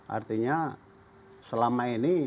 artinya selama ini